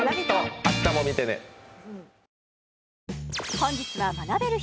本日は学べる日